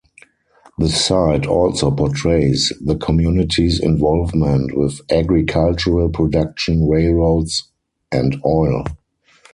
The site also portrays the community's involvement with agricultural production, railroads, and oil.